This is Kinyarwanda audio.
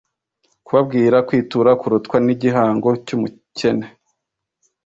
Kugabirwa kwitura kurutwa n’igihango cy’umucyene.